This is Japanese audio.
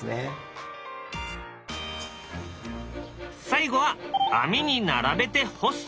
最後は網に並べて干す。